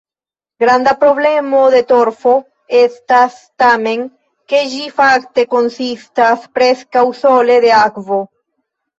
Granda problemo de torfo estas tamen, ke ĝi fakte konsistas preskaŭ sole de akvo.